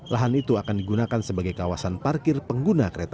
lahan itu akan digunakan sebagai kawasan parkir pengguna kereta